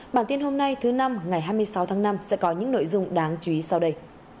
bản tin hôm nay thứ năm ngày hai mươi sáu tháng năm sẽ có những nội dung đáng chú ý sau đây